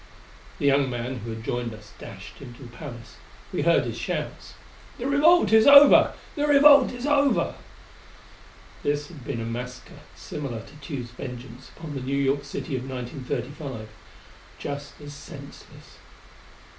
The young man who had joined us dashed into the palace. We heard his shouts: "The revolt is over! The revolt is over!" This had been a massacre similar to Tugh's vengeance upon the New York City of 1935; just as senseless.